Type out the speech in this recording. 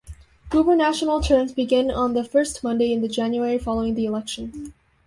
Gubernatorial terms begin on the first Monday in the January following the election.